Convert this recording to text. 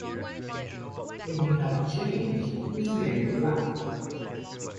And he had changed his name to Black.